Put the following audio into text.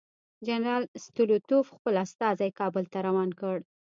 جنرال ستولیتوف خپل استازی کابل ته روان کړ.